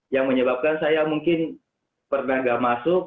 yang menyebabkan saya mungkin pernah nggak masuk